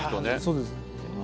そうですね。